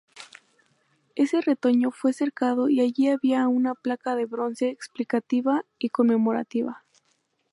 Ese retoño fue cercado y allí había una placa de bronce explicativa y conmemorativa.